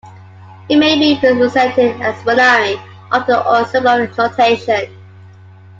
It may be represented as binary, octal or symbolic notation.